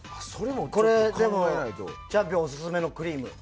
チャンピオンオススメのクリーム。